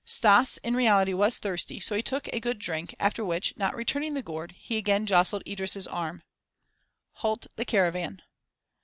Stas in reality was thirsty, so he took a good drink, after which, not returning the gourd, he again jostled Idris' arm. "Halt the caravan."